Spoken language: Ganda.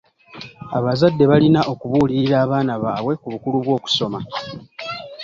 Abazadde balina okubuulirira abaana baabwe ku bukulu bw'okusoma.